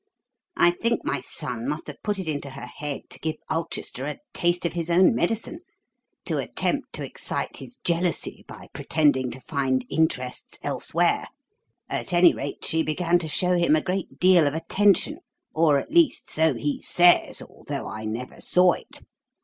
"I think my son must have put it into her head to give Ulchester a taste of his own medicine to attempt to excite his jealousy by pretending to find interests elsewhere. At any rate, she began to show him a great deal of attention or, at least, so he says, although I never saw it.